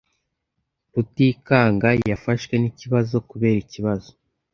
Rutikanga yafashwe n'ikibazo kubera ikibazo.